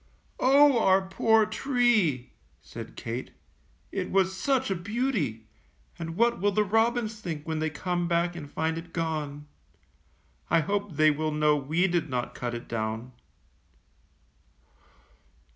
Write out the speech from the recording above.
''Oh, our poor tree!^^ said Kate, "it was such a beauty, and what will the robins think when they come back and find it gone? I hope they will know we did not cut it down.